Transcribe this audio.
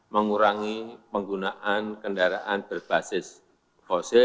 mengurangi penggunaan kendaraan berbasis fosil